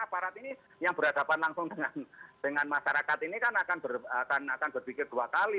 aparat ini yang berhadapan langsung dengan masyarakat ini kan akan berpikir dua kali